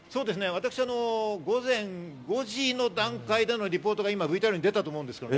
私は午前５時の段階でのリポートがＶＴＲに出たと思います。